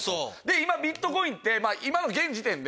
今ビットコインって今の現時点で。